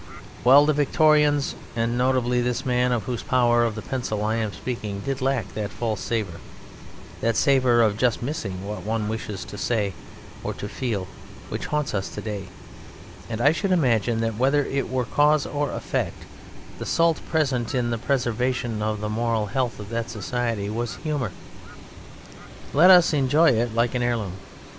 Well, the Victorians, and notably this man of whose power of the pencil I am speaking, did lack that false savour, that savour of just missing what one wishes to say or to feel, which haunts us to day; and I should imagine that whether it were cause or effect the salt present in the preservation of the moral health of that society was humour. Let us enjoy it like an heirloom.